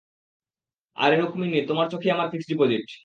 আরে রুকমিনি, তোমার চোখই আমার ফিক্স ডিপোজিট।